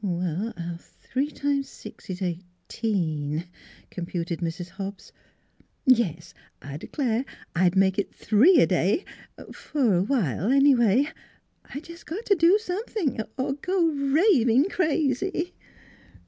" Three times six is eighteen," computed Mrs. Hobbs. "Yes; I d'clare I'd make it three a day f'r a while, anyway. I jus' got t' do something 'r go raving crazy!